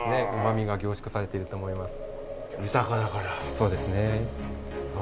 そうですね。